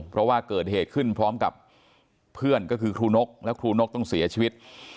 เพราะว่าเกิดเหตุขึ้นพร้อมกับเพื่อนก็คือครูนกและครูนกต้องเสียชีวิต